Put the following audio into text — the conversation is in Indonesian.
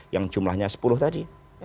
yang jumlahnya sepuluh tadi